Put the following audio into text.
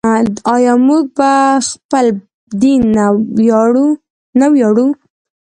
آیا موږ په خپل دین نه ویاړو؟